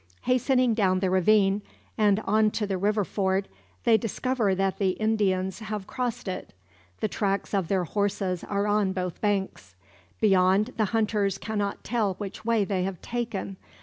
Hastening down the ravine and on to the river ford, they discover that the Indians have crossed it. The tracks of their horses are on both banks. Beyond, the hunters cannot tell which way they have taken.